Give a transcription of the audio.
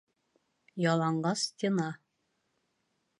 Яланғас стена